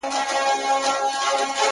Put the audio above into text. هغه خو ما د خپل زړگي په وينو خـپـله كړله.